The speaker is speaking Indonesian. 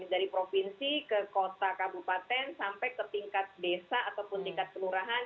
dari provinsi ke kota kabupaten sampai ke tingkat desa ataupun tingkat kelurahan